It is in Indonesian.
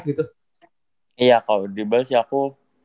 iya kalau dribble sih aku